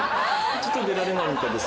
ちょっと出られないみたいです。